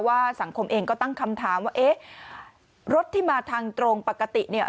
สังคมเองก็ตั้งคำถามว่าเอ๊ะรถที่มาทางตรงปกติเนี่ย